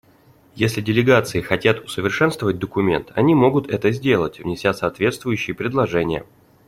Если делегации хотят усовершенствовать документ, они могут это сделать, внеся соответствующие предложения.